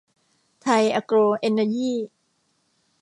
ไทย อะโกร เอ็นเนอร์ยี่